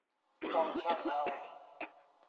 ต้องชั่งเอา